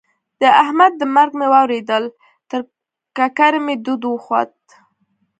د احمد د مرګ مې واورېدل؛ تر ککرۍ مې دود وخوت.